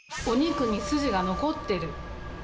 お肉に筋が残ってる。